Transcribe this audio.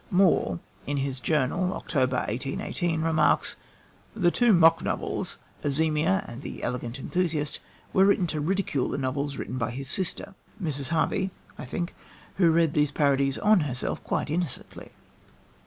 Moore, in his Journal, October 1818, remarks: "The two mock novels, Azemia and The Elegant Enthusiast, were written to ridicule the novels written by his sister, Mrs. Harvey (I think), who read these parodies on herself quite innocently."